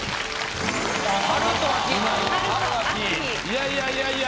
・春と秋・いやいやいやいや。